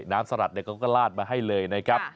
สลัดเขาก็ลาดมาให้เลยนะครับ